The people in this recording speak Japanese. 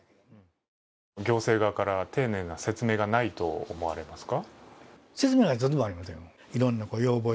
行政側から丁寧な説明がないと思われますか？